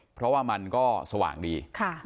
เพราะว่ามันก็สว่างดี